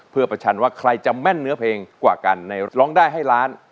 เพื่อประชันว่าใครจะแม่นเนื้อเพลงกว่ากันในร้องได้ให้ล้าน